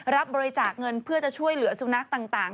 รับบริจาคเงินเพื่อจะช่วยเหลือสุนัขต่าง